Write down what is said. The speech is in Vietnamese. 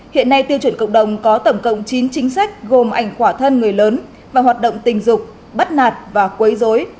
hiện nay tiêu chuẩn cộng đồng có tổng cộng chín chính sách gồm ảnh khỏa thân người lớn và hoạt động tình dục bắt nạt và quấy dối